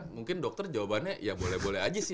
mungkin dokter jawabannya ya boleh boleh aja sih